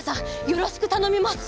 よろしくたのみます！